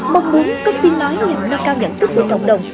mong muốn có tin nói lên nâng cao nhận thức của cộng đồng